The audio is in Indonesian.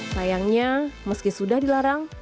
sayangnya meski sudah dilarang